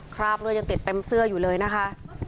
คราบเลือดยังติดเต็มเสื้ออยู่เลยนะคะ